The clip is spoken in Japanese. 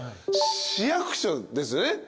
市役所ですね。